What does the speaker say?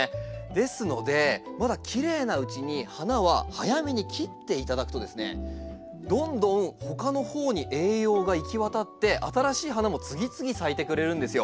ですのでまだきれいなうちに花は早めに切っていただくとですねどんどんほかのほうに栄養が行き渡って新しい花も次々咲いてくれるんですよ。